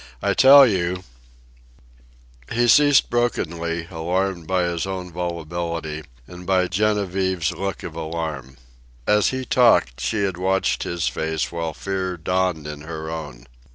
I tell you " He ceased brokenly, alarmed by his own volubility and by Genevieve's look of alarm. As he talked she had watched his face while fear dawned in her own.